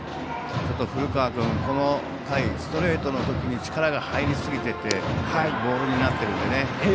古川君、この回ストレートのときに力が入りすぎていてボールになっているので。